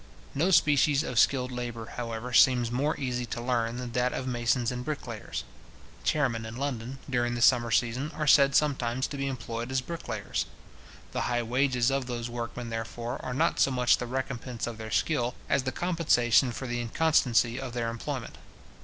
No species of skilled labour, however, seems more easy to learn than that of masons and bricklayers. Chairmen in London, during the summer season, are said sometimes to be employed as bricklayers. The high wages of those workmen, therefore, are not so much the recompence of their skill, as the compensation for the inconstancy of their employment.